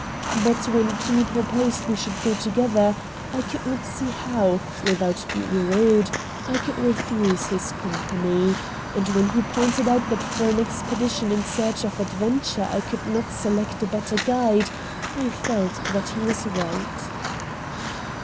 But when Kinney proposed we should go together, I could not see how, without being rude, I could refuse his company, and when he pointed out that for an expedition in search of adventure I could not select a better guide, I felt that he was right.